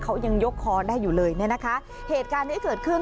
เขายังยกคอได้อยู่เลยเนี่ยนะคะเหตุการณ์ที่เกิดขึ้น